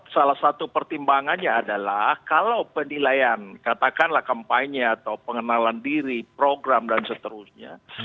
salah satu pertimbangannya adalah kalau penilaian katakanlah kampanye atau pengenalan diri program dan seterusnya